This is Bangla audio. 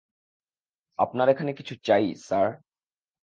আপনার এখানে কিছু চাই, স্যার?